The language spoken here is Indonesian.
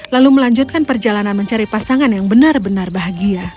lalu melanjutkan perjalanan mencari pasangan yang benar benar bahagia